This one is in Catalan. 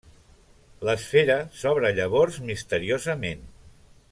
L'esfera s'obre llavors misteriosament.